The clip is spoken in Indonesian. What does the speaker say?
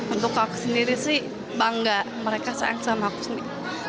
untuk aku sendiri sih bangga mereka sayang sama aku sendiri